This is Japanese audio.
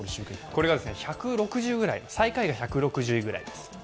これが１６０ぐらい、最下位が１６０位ぐらいです。